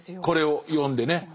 これを読んでね。